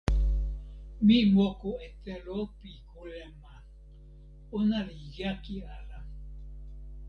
mi moku e telo pi kule ma. ona li jaki ala.